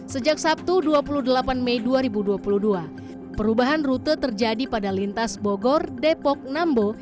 sejak sabtu dua puluh delapan mei dua ribu dua puluh dua perubahan rute terjadi pada lintas bogor depok nambo